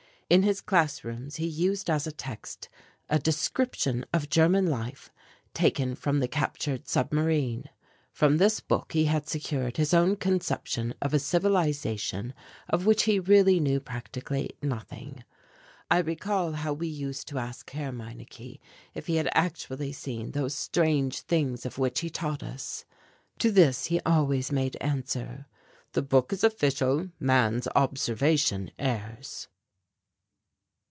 In his class rooms he used as a text a description of German life, taken from the captured submarine. From this book he had secured his own conception of a civilization of which he really knew practically nothing. I recall how we used to ask Herr Meineke if he had actually seen those strange things of which he taught us. To this he always made answer, "The book is official, man's observation errs."